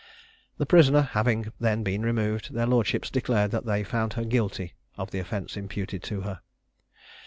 The prisoner having then been removed, their lordships declared that they found her guilty of the offence imputed to her.